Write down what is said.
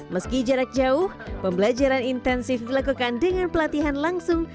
meski jarak jauh pembelajaran intensif dilakukan dengan pelatihan langsung